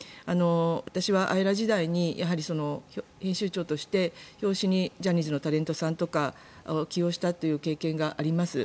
私は「ＡＥＲＡ」時代に編集長として表紙にジャニーズのタレントさんとかを起用した経験があります。